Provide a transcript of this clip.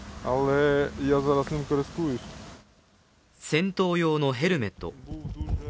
戦闘用のヘルメット。